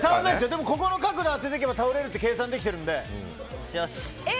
でもこの角度に当てれば倒れるって計算できてるので。